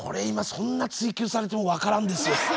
今そんな追及されても分からんですよ。